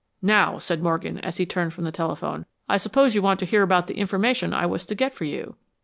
"Now," said Morgan, as he turned from the telephone, "I suppose you want to hear about the information I was to get for you."